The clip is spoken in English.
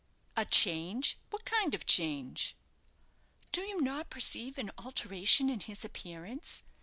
"A change! What kind of change?" "Do you not perceive an alteration in his appearance?